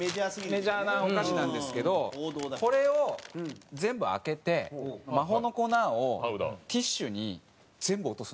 メジャーなお菓子なんですけどこれを全部開けて魔法の粉をティッシュに全部落とすんですよ。